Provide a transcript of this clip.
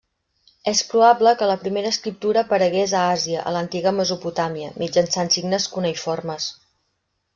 És probable que la primera escriptura aparegués a Àsia a l'antiga Mesopotàmia, mitjançant signes cuneïformes.